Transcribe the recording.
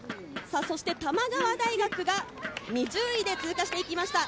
そして玉川大学が２０位で通過していきました。